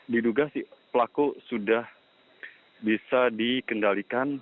diduga pelaku sudah bisa dikendalikan